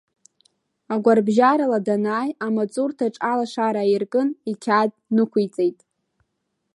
Агәарбжьарала данааи, амаҵурҭаҿ алашара аиркын, иқьаад нықәиҵеит.